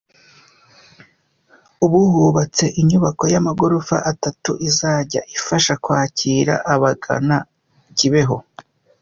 Ubu hubatse inyubako y’amagorofa atatu izajya ifasha kwakira abagana Kibeho.